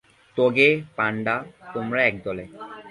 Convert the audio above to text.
তোগে, পান্ডা, তোমরা একদলে।